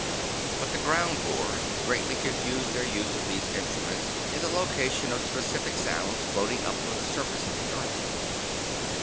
But the "ground roar" greatly confused their use of these instruments in the location of specific sounds floating up from the surface of the earth.